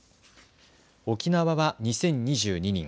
沖縄は２０２２人。